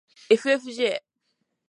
ｆｆｊ